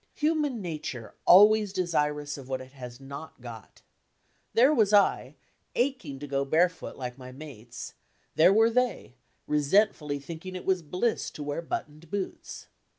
Human nature always desirous of what it has not got! There was I, aching to go barefoot like my mates; there were they, resentfully thinking it was bliss to wear buttoned boots!